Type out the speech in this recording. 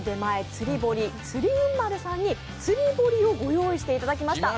釣り堀釣運丸さんに釣堀をご用意してもらいました。